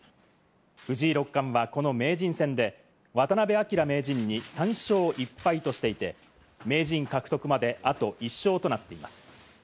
藤井六冠はこの名人戦で渡辺明名人に３勝１敗としていて、名人獲得まで、あと１勝となっています。